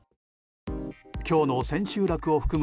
今日の千秋楽を含む